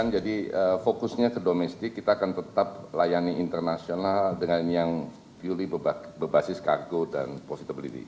jadi fokusnya ke domestik kita akan tetap layani internasional dengan yang purely berbasis kargo dan profitability